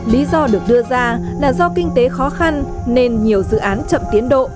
lý do được đưa ra là do kinh tế khó khăn nên nhiều dự án chậm tiến độ